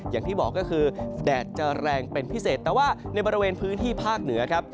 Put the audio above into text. อย่างที่บอกก็คือแดดจะแรงเป็นพิเศษแต่ว่าในบริเวณพื้นที่ภาคเหนือครับ